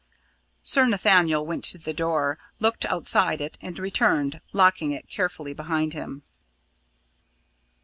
Sir Nathaniel went to the door, looked outside it and returned, locking it carefully behind him.